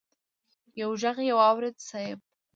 يو ږغ يې واورېد: صېب!